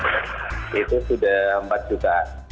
nah itu sudah empat jutaan